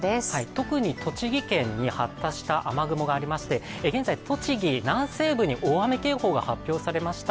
特に栃木県に発達した雨雲がありまして現在、栃木南西部に大雨警報が発表されました。